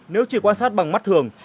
nếu chỉ quan sát bằng mắt thường